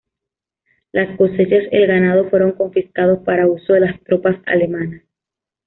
Las cosechas y el ganado fueron confiscados para uso de las tropas alemanas.